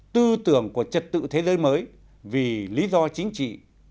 tư tưởng của trật tự thế giới mới vì lý do chính trị